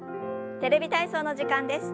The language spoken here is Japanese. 「テレビ体操」の時間です。